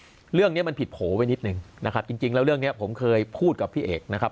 เรื่องเนี้ยมันผิดโผล่ไว้นิดหนึ่งนะครับจริงจริงแล้วเรื่องเนี้ยผมเคยพูดกับพี่เอกนะครับ